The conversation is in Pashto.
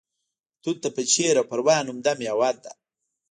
توت د پنجشیر او پروان عمده میوه ده